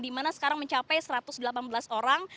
di mana sekarang mencapai satu ratus delapan belas orang